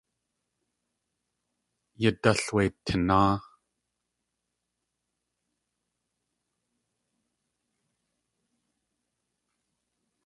Yadál wé tináa.